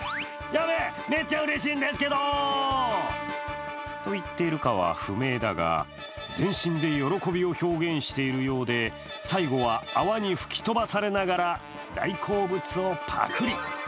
ヤベッ、めっちゃうれしいんですけどーと言っているかは不明だが、全身で喜びを表現しているようで、最後は泡に吹き飛ばされながら大好物をぱくり。